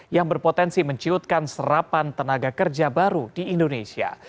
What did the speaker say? yang berpotensi menciutkan serapan tenaga kerja baru di indonesia